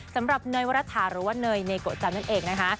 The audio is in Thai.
สำหรับเนยวรรษาหรือว่าเนยเนโกจันทร์นั่นเองนะฮะ